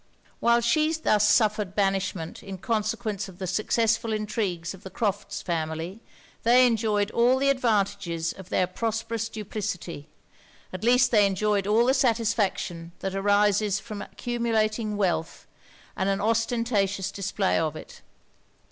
While she thus suffered banishment in consequence of the successful intrigues of the Crofts' family, they enjoyed all the advantages of their prosperous duplicity; at least they enjoyed all the satisfaction that arises from accumulating wealth and an ostentatious display of it.